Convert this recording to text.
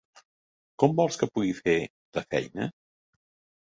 Com vols que pugui fer la feina?